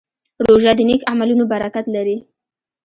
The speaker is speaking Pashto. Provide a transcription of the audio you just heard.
روژه د نیک عملونو برکت لري.